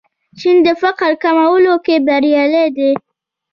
چین د فقر کمولو کې بریالی دی.